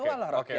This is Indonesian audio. kecewa lah rakyat